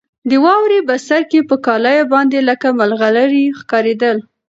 د واورې بڅرکي په کالیو باندې لکه ملغلرې ښکارېدل.